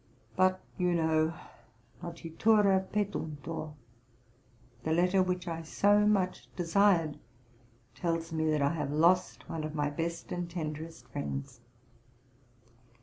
But, you know, nocitura petuntur, the letter which I so much desired, tells me that I have lost one of my best and tenderest friends.